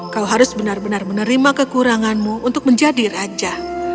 kau harus benar benar menerima kekuranganmu untuk menjadi raja